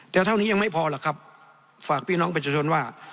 แต่เท่านี้ยังไม่พอหรอกครับฝากพี่น้องประชาชนว่า